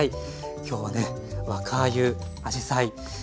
今日はね若あゆあじさい